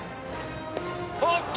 おっと！